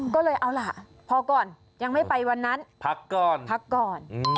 ก็เลยเอาล่ะพอก่อนยังไม่ไปวันนั้นพักก่อนพักก่อน